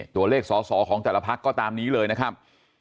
ตัวเลขสอสอของแต่ละพักก็ตามนี้เลยนะครับ